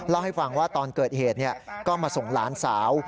เล่าให้ฟังว่าตอนเกิดเหตุก็มาส่งหลานสาว